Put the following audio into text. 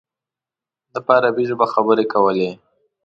ده په عربي ژبه خبرې کولې.